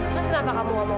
terus kenapa kamu ngomong